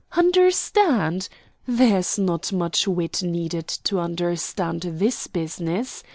"Understand! There's not much wit needed to understand this business.